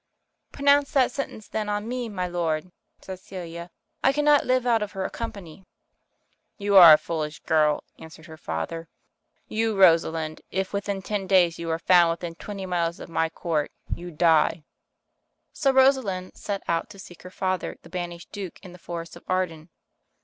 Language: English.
"Pronounce that sentence then on me, my lord," said Celia. "1 cannot live out of her company." "You are a foolish girl," answered her father. "You, Rosalind, if within ten days you are found within twenty miles of my Court, you die." So Rosalind set out to seek her father, the banished Duke, in the Forest of Arden.